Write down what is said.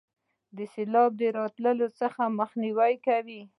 د سیلاب راتللو څخه مخنیوي کوي.